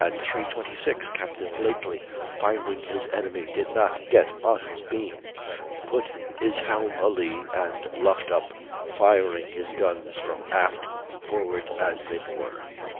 26 Captain Blakely, finding his enemy did not get on his beam, put his helm a lee and luffed up, firing his guns from aft forward as they bore.